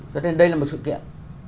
cho nên đây là một sự kiện